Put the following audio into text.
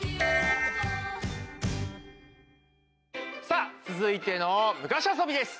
さあ続いての昔遊びです！